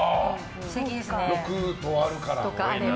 ６棟あるから。